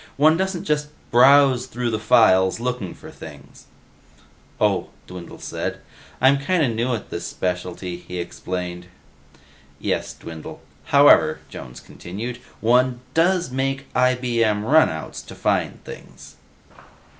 One doesn't just browse through the files looking for things." "Oh," Dwindle said. "I'm kinda new at this specialty," he explained. "Yes, Dwindle. However," Jones continued, "one does make IBM runouts to find things."